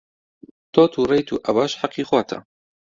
تۆ تووڕەیت و ئەوەش هەقی خۆتە.